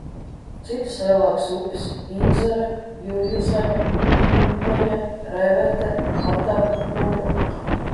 Citas lielākas upes – Inzera, Jurjuzaņa, Tjuļmeņa, Revete, Katava, Nura.